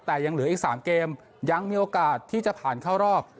แต่ยังเหลืออีก๓เกมยังมีโอกาสที่จะผ่านเข้ารอบ